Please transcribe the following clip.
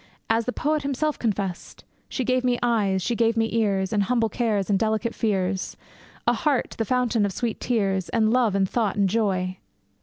As the poet himself confessed: She gave me eyes, she gave me ears, And humble cares, and delicate fears; A heart, the fountain of sweet tears; And love, and thought, and joy.